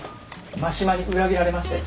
真島に裏切られましたよ。